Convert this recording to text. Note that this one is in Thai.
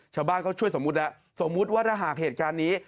ชาวบ้านเขาช่วยสมมุตินะสมมุติว่าถ้าหากเหตุการณ์นี้